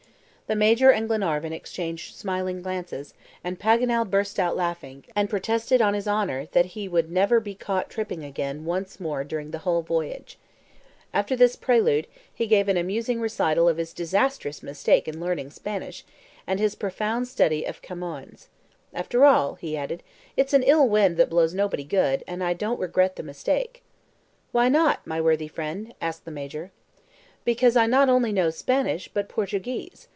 The Major and Glenarvan exchanged smiling glances, and Paganel burst out laughing, and protested on his honor that he would never be caught tripping again once more during the whole voyage. After this prelude, he gave an amusing recital of his disastrous mistake in learning Spanish, and his profound study of Camoens. "After all," he added, "it's an ill wind that blows nobody good, and I don't regret the mistake." "Why not, my worthy friend?" asked the Major. "Because I not only know Spanish, but Portuguese.